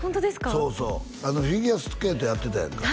そうそうフィギュアスケートやってたやんか？